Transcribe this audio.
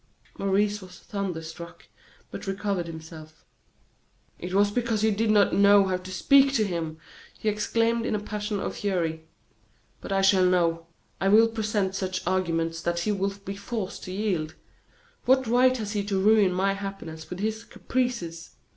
Maurice was thunderstruck, but recovering himself: "It was because you did not know how to speak to him!" he exclaimed in a passion of fury; "but I shall know I will present such arguments that he will be forced to yield. What right has he to ruin my happiness with his caprices?